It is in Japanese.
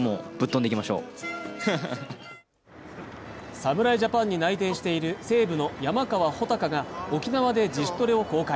侍ジャパンに内定している西武の山川穂高が沖縄で自主トレを公開。